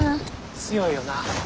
強いよな。